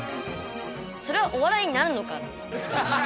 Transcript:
それはお笑いになるのか。